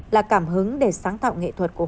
là cảm hứng để sáng tạo nghệ thuật của họ